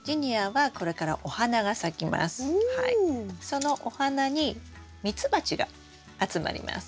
そのお花にミツバチが集まります。